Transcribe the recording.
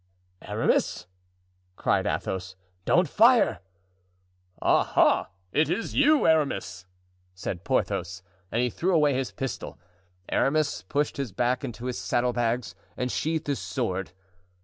"Aramis!" cried Athos, "don't fire!" "Ah! ha! is it you, Aramis?" said Porthos. And he threw away his pistol. Aramis pushed his back into his saddle bags and sheathed his sword.